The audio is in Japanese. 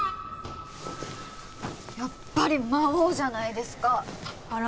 やっぱり魔王じゃないですかあら